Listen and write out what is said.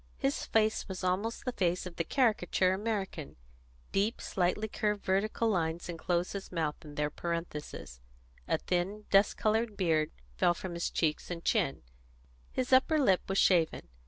His face was almost the face of the caricature American: deep, slightly curved vertical lines enclosed his mouth in their parenthesis; a thin, dust coloured beard fell from his cheeks and chin; his upper lip was shaven.